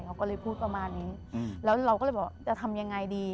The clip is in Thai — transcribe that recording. เขาก็เลยพูดประมาณนี้แล้วเราก็เลยบอกจะทำยังไงดี